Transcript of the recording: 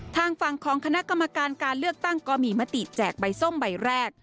ทางฝั่งของคณะกรรมการการเลือกตั้งก็มีมติแจกใบส้มใบแรก